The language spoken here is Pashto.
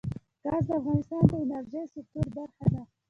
ګاز د افغانستان د انرژۍ سکتور برخه ده.